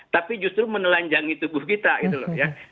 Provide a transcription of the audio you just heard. tapi justru menelanjangi tubuh kita gitu loh ya